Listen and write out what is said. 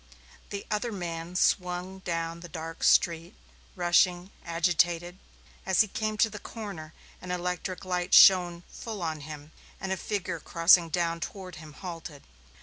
The other man swung down the dark street, rushing, agitated. As he came to the corner an electric light shone full on him and a figure crossing down toward him halted.